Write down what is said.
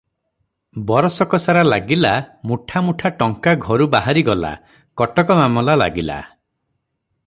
ବରଷକସାରା ଲାଗିଲା ମୁଠା ମୁଠା ଟଙ୍କା ଘରୁ ବାହାରିଗଲା, କଟକ ମାମଲା ଲାଗିଲା ।